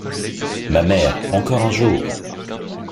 Ma mère, encore un jour!